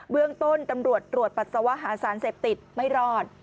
เรื่องต้นตำรวจตรวจปัสสาวะหาสารเสพติดไม่รอด